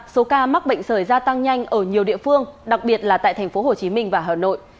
số ca mắc bệnh sởi gia tăng nhanh ở nhiều địa phương đặc biệt là tại thành phố hồ chí minh và hà nội